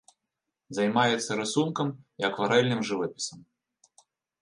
Займаецца рысункам і акварэльным жывапісам.